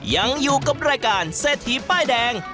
ยังอยู่กับรายการเศรษฐีป้ายแดง